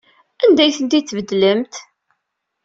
Anda ay ten-id-tbeddlemt?